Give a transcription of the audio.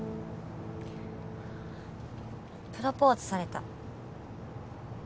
プロポーズされた。